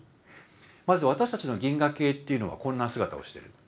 まず私たちの銀河系っていうのはこんな姿をしてる。